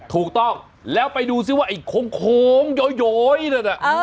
ถูกต้องแล้วไปดูซิว่าไอ้โค้งโยยนั่นน่ะ